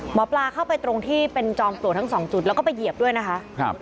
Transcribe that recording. หมอปลาเข้าไปตรงที่เป็นจอมปลวกทั้งสองจุดแล้วก็ไปเหยียบด้วยนะคะ